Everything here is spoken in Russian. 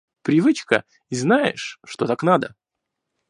Привычка, и знаешь, что так надо.